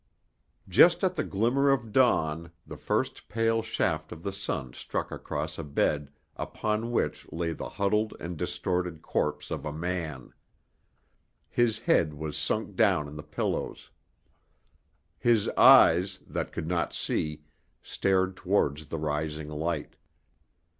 Just at the glimmer of dawn the first pale shaft of the sun struck across a bed upon which lay the huddled and distorted corpse of a man. His head was sunk down in the pillows. His eyes, that could not see, stared towards the rising light.